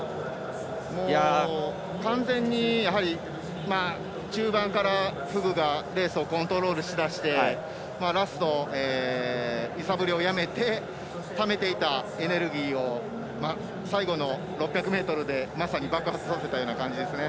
完全に中盤からフグがレースをコントロールしだしてラスト、揺さぶりをやめてためていたエネルギーを最後の６００ｍで爆発させたような感じですね。